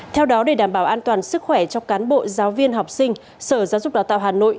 theo đó để đảm bảo an toàn sức khỏe cho cán bộ giáo viên học sinh sở giáo dục đào tạo hà nội